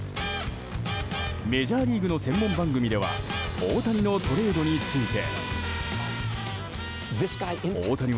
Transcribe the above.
メジャーリーグの専門番組では大谷のトレードについて。